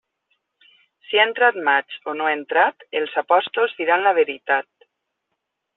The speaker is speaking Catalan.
Si ha entrat maig o no ha entrat, els apòstols diran la veritat.